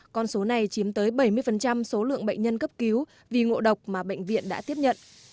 con số này chiếm tới bảy mươi số lượng bệnh nhân cấp cứu vì ngộ độc mà bệnh viện đã tiếp nhận